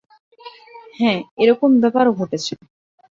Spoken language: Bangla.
হ্যাঁ, এ-রকম ব্যাপারও ঘটেছে।